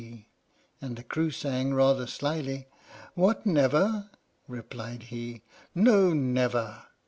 "PINAFORE" And the crew sang, rather slyly: What, never ? Replied he: No, never!